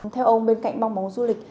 theo ông bên cạnh bóng bóng du lịch